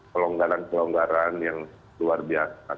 pelonggaran pelonggaran yang luar biasa